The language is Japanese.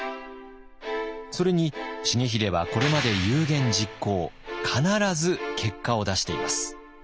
それに重秀はこれまで有言実行必ず結果を出しています。